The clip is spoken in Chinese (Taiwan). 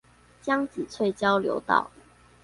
江子翠交流道